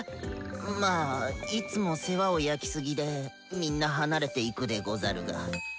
まあいつも世話を焼きすぎでみんな離れていくでござるが。